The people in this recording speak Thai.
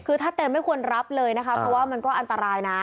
คือถ้าเต็มไม่ควรรับเลยนะคะเพราะว่ามันก็อันตรายนะ